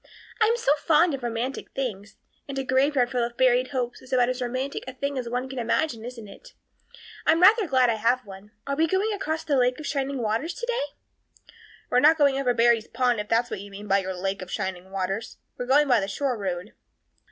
I am so fond of romantic things, and a graveyard full of buried hopes is about as romantic a thing as one can imagine isn't it? I'm rather glad I have one. Are we going across the Lake of Shining Waters today?" "We're not going over Barry's pond, if that's what you mean by your Lake of Shining Waters. We're going by the shore road."